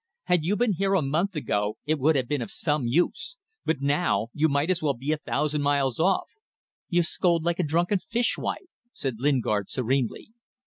Had you been here a month ago it would have been of some use. But now! .. You might as well be a thousand miles off." "You scold like a drunken fish wife," said Lingard, serenely.